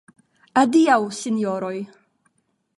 Adiaŭ sinjoroj.